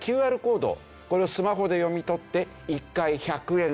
これをスマホで読み取って１回１００円